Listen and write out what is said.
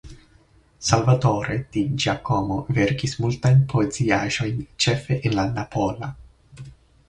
Salvatore Di Giacomo verkis multajn poeziaĵojn ĉefe en la napola.